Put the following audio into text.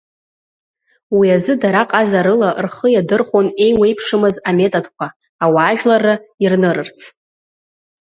Уи азы дара ҟазарыла рхы иадырхәон еиуеиԥшымыз аметодқәа, ауаажәларра ирнырырц.